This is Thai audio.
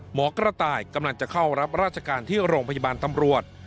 หมอกระต่ายกำลังจะเข้ารับราชการที่โรงพยาบาลตำรวจ